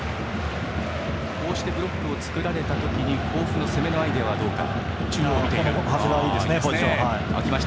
こうしてブロックを作られた時に甲府の攻めのアイデアはどうか。